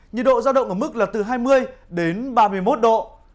nhiệt độ giao động ở mức là từ hai mươi đến ba mươi một độ